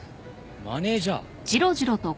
マネージャー。